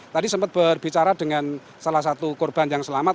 tadi sempat berbicara dengan salah satu korban yang selamat